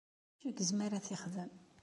D acu i izmer ad t-ixdem?